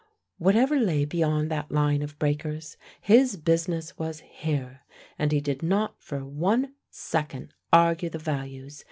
Whatever lay beyond that line of breakers, his business was here, and he did not for one second argue the values.